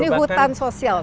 ini hutan sosial